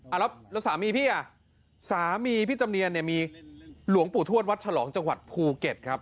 แล้วสามีพี่อ่ะสามีพี่จำเนียนเนี่ยมีหลวงปู่ทวดวัดฉลองจังหวัดภูเก็ตครับ